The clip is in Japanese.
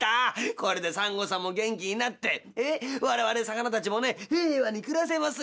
これでサンゴさんも元気になって我々魚たちもね平和に暮らせますよ。